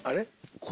これ。